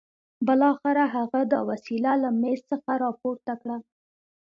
بالاخره هغه دا وسيله له مېز څخه راپورته کړه.